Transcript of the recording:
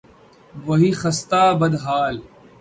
وہی خستہ، بد حال